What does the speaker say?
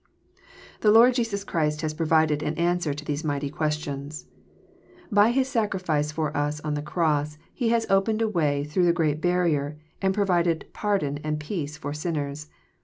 '* The Lord Jesus Christ has provided an answer to these mighty questions. By His sacrifice for us on the cross, He has opened a way through the great barrier, and pro vided pardon and peace for sinners.